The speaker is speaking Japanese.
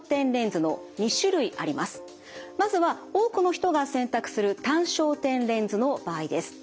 まずは多くの人が選択する単焦点レンズの場合です。